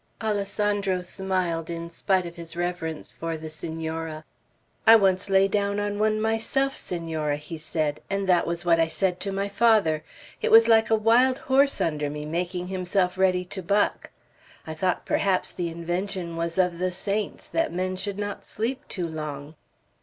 Alessandro smiled, in spite of his reverence for the Senora. "I once lay down on one myself, Senora," he said, "and that was what I said to my father. It was like a wild horse under me, making himself ready to buck. I thought perhaps the invention was of the saints, that men should not sleep too long."